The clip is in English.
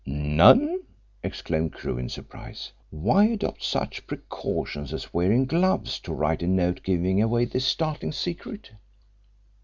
"None?" exclaimed Crewe, in surprise. "Why adopt such precautions as wearing gloves to write a note giving away this startling secret?"